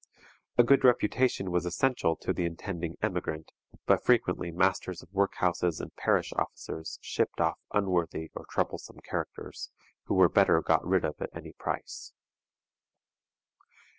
A good reputation was essential to the intending emigrant, but frequently masters of work houses and parish officers shipped off unworthy or troublesome characters, who were better got rid of at any price.